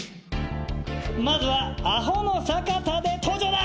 まずはアホの坂田で登場だ！